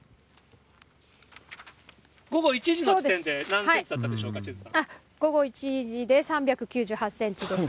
午後１時の時点で何センチだったでしょうか、志津さん。